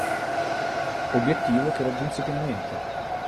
Obiettivo che raggiunse pienamente.